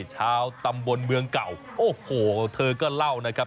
ชาวตำบลเมืองเก่าโอ้โหเธอก็เล่านะครับ